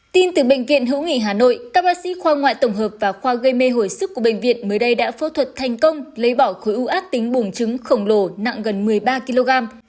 tin từ bệnh viện hữu nghị hà nội các bác sĩ khoa ngoại tổng hợp và khoa gây mê hồi sức của bệnh viện mới đây đã phẫu thuật thành công lấy bỏ khối u ác tính bùm trứng khổng lồ nặng gần một mươi ba kg